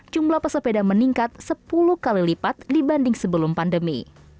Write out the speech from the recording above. jumlah pesepeda meningkat sepuluh kali lipat dibanding sebelum pandemi